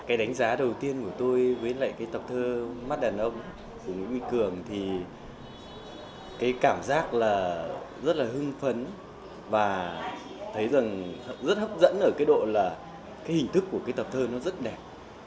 cái đánh giá đầu tiên của tôi với lại cái tập thơ mắt đàn ông của nguyễn huy cường thì cái cảm giác là rất là hưng phấn và thấy rằng rất hấp dẫn ở cái độ là cái hình thức của cái tập thơ nó rất đẹp